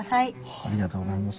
ありがとうございます。